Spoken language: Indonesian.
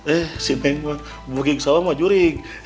eh si neng mah bu gigi sawah mah jurig